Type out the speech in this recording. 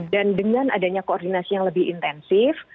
dan dengan adanya koordinasi yang lebih intensif